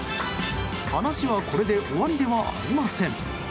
話はこれで終わりではありません。